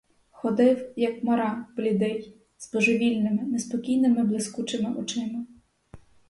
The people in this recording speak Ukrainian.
Ходив, як мара, блідий, з божевільними, неспокійними блискучими очима.